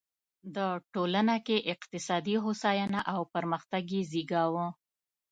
د ټولنه کې اقتصادي هوساینه او پرمختګ یې زېږاوه.